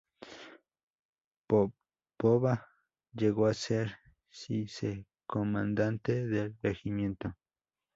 Popova llegó a ser vicecomandante del regimiento.